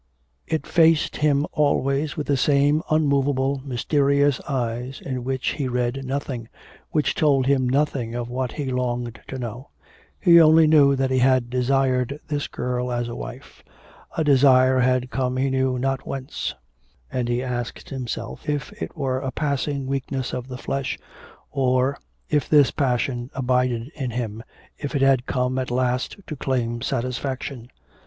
It faced him always with the same unmovable, mysterious eyes in which he read nothing, which told him nothing of what he longed to know. He only knew that he had desired this girl as a wife. A desire had come he knew not whence; and he asked himself if it were a passing weakness of the flesh, or if this passion abided in him, if it had come at last to claim satisfaction?